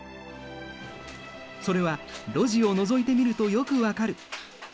それは路地をのぞいてみるとよく分かる。